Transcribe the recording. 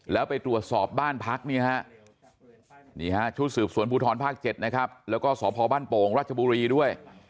แล้วไปตรวจสอบบ้านพักนี่ฮะชุดสืบสวนภูทรภาค๗นะครับแล้วก็สพบ้านโป่งราชบุรีด้วย